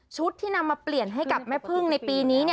ที่นำมาเปลี่ยนให้กับแม่พึ่งในปีนี้